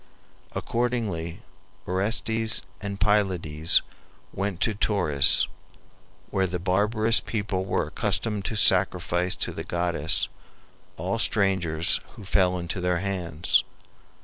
Accordingly Orestes and Pylades went to Tauris, where the barbarous people were accustomed to sacrifice to the goddess all strangers who fell into their hands.